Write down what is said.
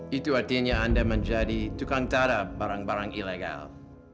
berarti anda menjadi tukang dada barang barang ilegal